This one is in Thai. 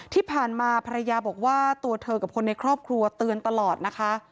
ที่ผ่านมาภรรยาบอกว่าตัวเธอกับคนในครอบครัวเตือนตลอดนะคะ